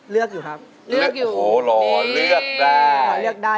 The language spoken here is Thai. เลือกอยู่ครับ